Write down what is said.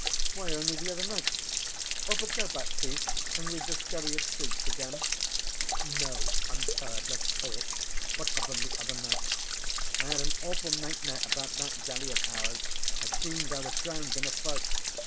Why only the other night.... But go back please and read ŌĆśThe Skerry of ShrieksŌĆÖ again. ŌĆØ ŌĆ£No, IŌĆÖm tired. LetŌĆÖs talk. What happened the other night? ŌĆØ ŌĆ£I had an awful nightmare about that galley of ours. I dreamed I was drowned in a fight.